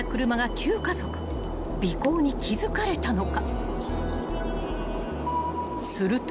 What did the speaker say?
［尾行に気付かれたのか］